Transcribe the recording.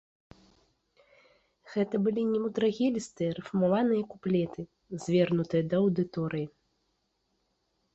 Гэта былі немудрагелістыя рыфмаваныя куплеты, звернутыя да аўдыторыі.